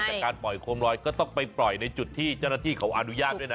การปล่อยโคมลอยก็ต้องไปปล่อยในจุดที่เจ้าหน้าที่เขาอนุญาตด้วยนะ